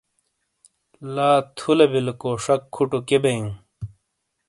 لا تھولے بِیلے کو شَک کُھوٹو کِئے بیئوں؟